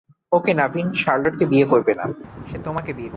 ওকে, নাভিন শার্লোটকে বিয়ে করবে না, সে তোমাকে বিয়ে করবে!